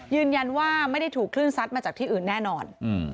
ยืนยันว่าไม่ได้ถูกคลื่นซัดมาจากที่อื่นแน่นอน